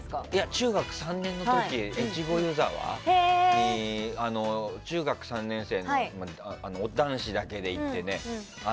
中学３年の時、越後湯沢に中学３年生の男子だけで行ってね。